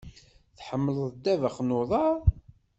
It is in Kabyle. Tḥemmleḍ ddabex n uḍaṛ?